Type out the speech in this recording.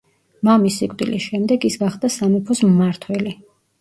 მამის სიკვდილის შემდეგ ის გახდა სამეფოს მმართველი.